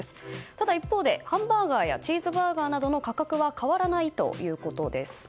ただ一方でハンバーガーやチーズバーガーなどの価格は変わらないということです。